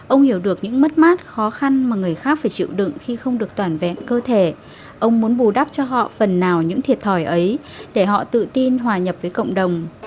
ông hiểu được những mất mát khó khăn mà người khác phải chịu đựng khi không được toàn vẹn cơ thể ông muốn bù đắp cho họ phần nào những thiệt thòi ấy để họ tự tin hòa nhập với cộng đồng